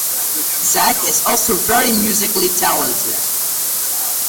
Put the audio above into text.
Zack is also very musically talented.